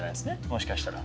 もしかしたら。